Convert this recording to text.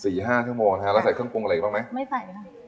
ห้าชั่วโมงฮะแล้วใส่เครื่องปรุงอะไรอีกบ้างไหมไม่ใส่ค่ะ